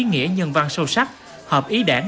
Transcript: nghĩa nhân văn sâu sắc hợp ý đảng